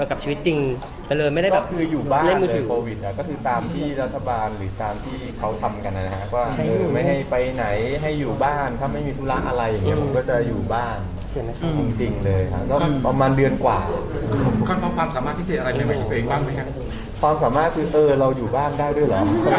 ก่อนกลับชีวิตจริงก็เลยไม่ได้แบบคืออยู่บ้านก็คือตามที่รัฐบาลหรือตามที่เขาทำกันนะครับว่าไม่ให้ไปไหนให้อยู่บ้านถ้าไม่มีธุระอะไรอย่างเงี้ยมันก็จะอยู่บ้านคือจริงเลยค่ะก็ประมาณเดือนกว่าความสามารถคือเออเราอยู่บ้านได้ด้วยหรอ